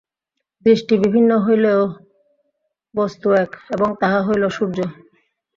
দৃষ্টি বিভিন্ন হইলেও বস্তু এক, এবং তাহা হইল সূর্য।